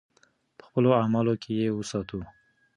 په خپلو اعمالو کې یې وساتو.